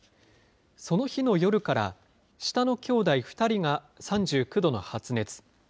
その日の夜から、下のきょうだい２人が３９度の発熱。